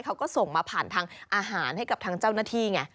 เขาก็ส่งมาผ่านทางอาหารให้กับทางเจ้าหน้าที่ไง